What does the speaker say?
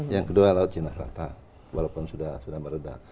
yang kedua laut cina selatan walaupun sudah meredah